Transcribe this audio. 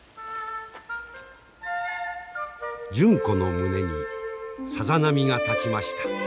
純子の胸にさざ波が立ちました。